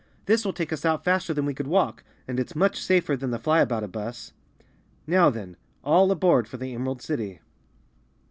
"This will take us out faster than we could walk and it's much safer than the Elyaboutabus. Now then, all aboard for the Emerald City!"